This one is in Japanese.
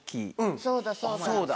そうだそうだ。